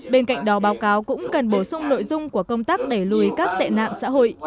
bên cạnh đó báo cáo cũng cần bổ sung nội dung của công tác đẩy lùi các tệ nạn xã hội